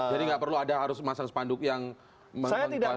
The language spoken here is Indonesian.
jadi nggak perlu ada harus masalah sepanduk yang mengklarifikasi